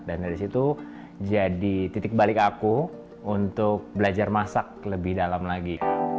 dan dari situ jadi titik balik aku untuk belajar masak lebih dalam lagi